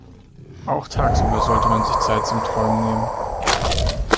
Auch tagsüber sollte man sich Zeit zum Träumen nehmen.